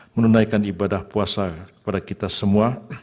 menunaikan ibadah puasa kepada kita semua